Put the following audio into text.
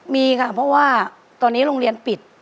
มีค่ะเพราะว่าตอนนี้โรงเรียนปิด